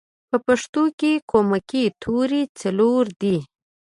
په پښتو کې کومکی توری څلور دی